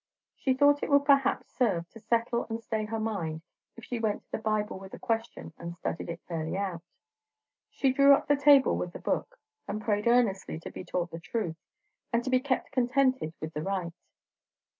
She thought it would perhaps serve to settle and stay her mind if she went to the Bible with the question and studied it fairly out. She drew up the table with the book, and prayed earnestly to be taught the truth, and to be kept contented with the right.